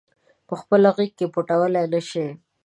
پخپله غیږ کې پټولای نه شي